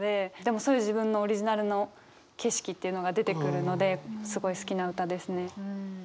そういう自分のオリジナルの景色っていうのが出てくるのですごい好きな歌ですね。